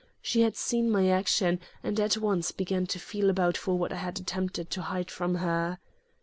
She had seen my action and at once began to feel about for what I had attempted to hide from her.